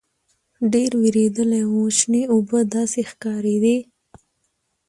ډېر وېردلي وو شنې اوبه داسې ښکارېدې.